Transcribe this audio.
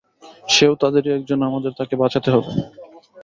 সেও তাদেরই একজন, আমাদের তাকে বাঁচাতে হবে।